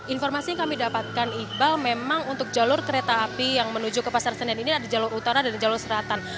informasi yang kami dapatkan iqbal memang untuk jalur kereta api yang menuju ke pasar senen ini ada jalur utara dan jalur selatan